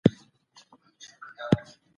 هیڅوک په راتلونکي باور نسي کولای.